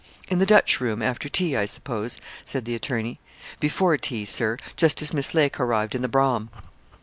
'In the Dutch room, after tea, I suppose?' said the attorney. 'Before tea, Sir, just as Miss Lake harrived in the brougham.'